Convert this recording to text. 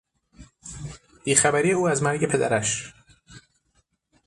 بیخبری او از مرگ پدرش